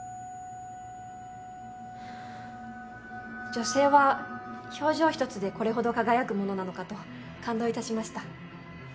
女性は表情ひとつでこれほど輝くものなのかと感動いたしました。